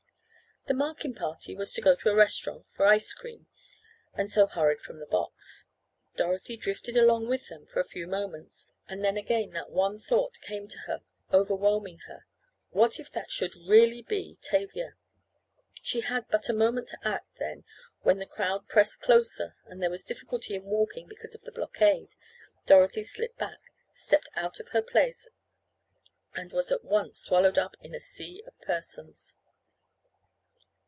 The Markin party was to go to a restaurant for ice cream, and so hurried from the box. Dorothy drifted along with them for a few moments, and then again that one thought came to her, overwhelming her. "What if that should really be Tavia?" She had but a moment to act, then, when the crowd pressed closer and there was difficulty in walking because of the blockade, Dorothy slipped back, stepped out of her place, and was at once swallowed up in a sea of persons.